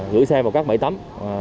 gửi xe vào các bãi tắm